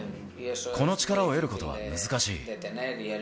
この力を得ることは難しい。